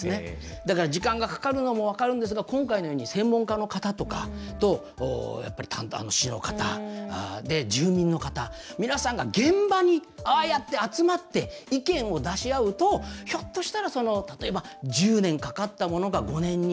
だから、時間がかかるのも分かるんですが今回のように専門家の方と市の担当の方、住民の方皆さんが現場でああやって集まって意見を出し合うとひょっとしたら例えば１０年かかったものが５年に。